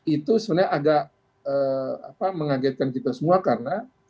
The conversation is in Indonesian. itu sebenarnya agak mengagetkan kita semua karena